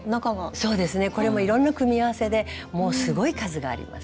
そうですねこれもいろんな組み合わせでもうすごい数があります。